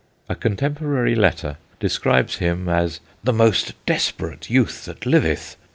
A contemporary letter describes him as "the most desperate youth that liveth.